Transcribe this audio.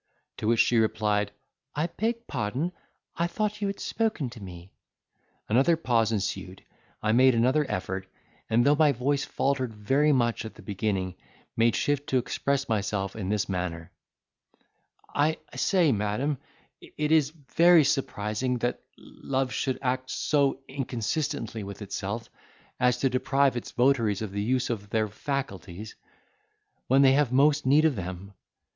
To which she replied, "I beg pardon—I thought you had spoken to me." Another pause ensued—I made another effort, and, though my voice faltered very much at the beginning, made shift to express myself in this manner: "I say, madam, it is very surprising that love should act so inconsistently with itself, as to deprive its votaries of the use of their faculties, when they have most need of them.